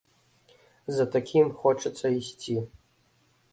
За такім хочацца ісці.